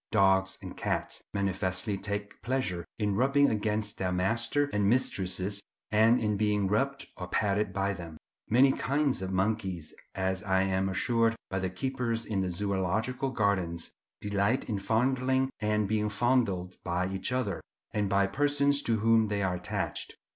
Dogs and cats manifestly take pleasure in rubbing against their masters and mistresses, and in being rubbed or patted by them. Many kinds of monkeys, as I am assured by the keepers in the Zoological Gardens, delight in fondling and being fondled by each other, and by persons to whom they are attached.